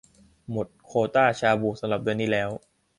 หมดโควตาชาบูสำหรับเดือนนี้แล้ว